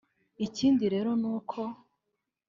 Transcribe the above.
Ikindi rero ni uko